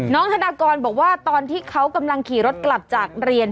ธนากรบอกว่าตอนที่เขากำลังขี่รถกลับจากเรียน